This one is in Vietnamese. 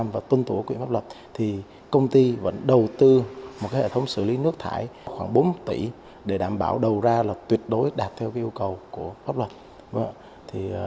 và tuân thủ của quyền bác luật thì công ty vẫn đầu tư một hệ thống xử lý nước thải khoảng bốn tỷ để đảm bảo đầu ra là tuyệt đối đạt theo yêu cầu của bác luật